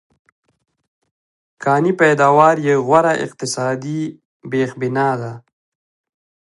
کانې پیداوار یې غوره اقتصادي بېخبنا ده.